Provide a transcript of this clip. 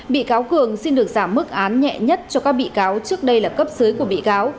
bị cáo cường xin được giảm mức án nhẹ nhất cho các bị cáo trước đây là cấp dưới của bị cáo